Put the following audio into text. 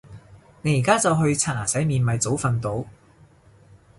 你而家就去刷牙洗面咪早瞓到